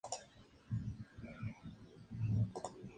Desportivo da Praia es el equipo defensor del título.